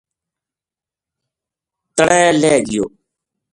تَڑے لہہ گیو